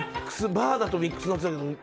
バーだとミックスナッツだけど。